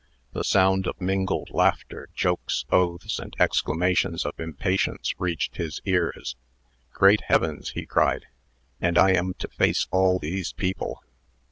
The sound of mingled laughter, jokes, oaths, and exclamations of impatience reached his ears. "Great heavens!" he cried; "and I am to face all these people!"